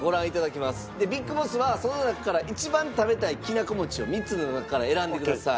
でＢＩＧＢＯＳＳはその中から一番食べたいきなこ餅を３つの中から選んでください。